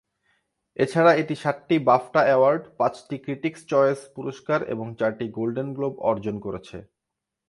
এছাড়া এটি সাতটি বাফটা অ্যাওয়ার্ড, পাঁচটি ক্রিটিকস চয়েস পুরস্কার এবং চারটি গোল্ডেন গ্লোব অর্জন করেছে।